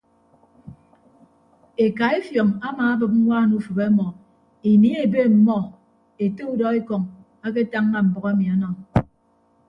Eka afiọñ amaabịp ñwaan ufịp ọmọ ini ebe ọmmọ ete udọekọñ aketañña mbʌk emi ọnọ.